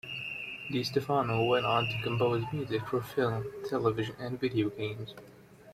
DiStefano went on to compose music for film, television and video games.